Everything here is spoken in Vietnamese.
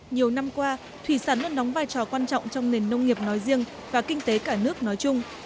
nhiều năm qua thủy sản luôn đóng vai trò quan trọng trong nền nông nghiệp nói riêng và kinh tế cả nước nói chung